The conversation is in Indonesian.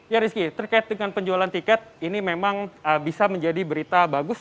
ya rizky terkait dengan penjualan tiket ini memang bisa menjadi berita bagus